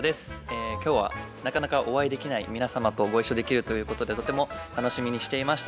今日はなかなかお会いできない皆様とご一緒できるということでとても楽しみにしていました。